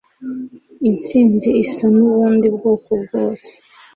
intsinzi isa nubundi bwoko bwose